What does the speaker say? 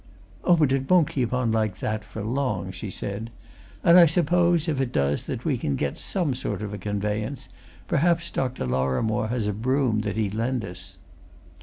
"Oh, but it won't keep on like that, for long," she said. "And I suppose, if it does, that we can get some sort of a conveyance perhaps, Dr. Lorrimore has a brougham that he'd lend us."